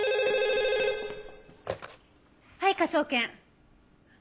はい科捜研。